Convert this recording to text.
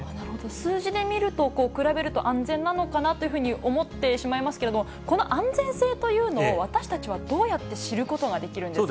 数字で見ると、比べると、安全なのかなっていうふうに思ってしまいますけれど、この安全性というのを、私たちはどうやって知ることができるんですか。